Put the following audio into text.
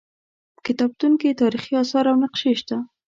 په کتابتون کې تاریخي اثار او نقشې شته.